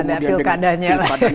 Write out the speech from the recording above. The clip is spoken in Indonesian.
ada pil padahnya